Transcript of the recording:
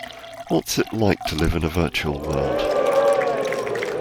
What's it like to live in a virtual world?